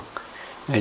chiếm lĩnh được hết